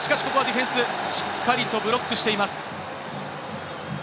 ここはディフェンス、しっかりとブロックしています。